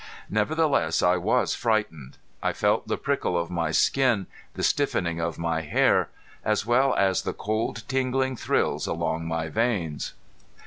Nevertheless I was frightened. I felt the prickle of my skin, the stiffening of my hair, as well as the cold tingling thrills along my veins.